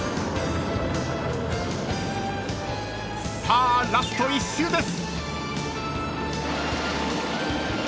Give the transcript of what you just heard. ［さあラスト１周です］